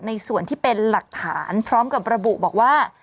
ส่วนที่เป็นหลักฐานพร้อมกับระบุบอกว่า